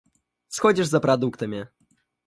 Сходишь за продуктами?